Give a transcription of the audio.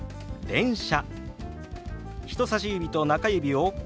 「電車」。